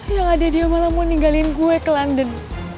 yang ada dia malah mau ninggalin gue ke london